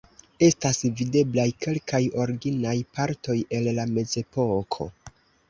Estas videblaj kelkaj originaj partoj el la mezepoko.